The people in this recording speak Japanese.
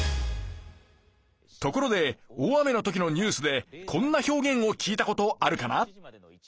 ところで大雨の時のニュースでこんな表げんを聞いた事あるかな？